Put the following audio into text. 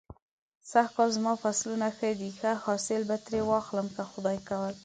سږ کال زما فصلونه ښه دی. ښه حاصل به ترې واخلم که خدای کول.